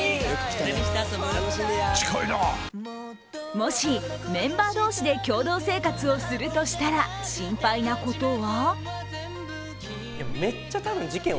もし、メンバー同士で共同生活をするとしたら、心配なことは？